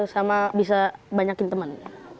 sama bisa banyakin teman